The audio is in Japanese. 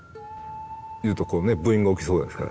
言うとこうねブーイング起きそうですから。